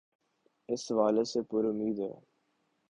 اس حوالے سے پرا مید ہے۔